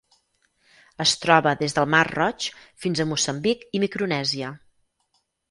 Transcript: Es troba des del Mar Roig fins a Moçambic i Micronèsia.